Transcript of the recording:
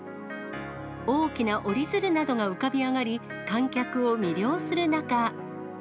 大きな折り鶴などが浮かび上がり、観客を魅了する中。